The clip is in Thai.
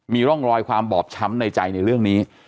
มีร่องรอยความบอบช้ำในใจในเรื่องนี้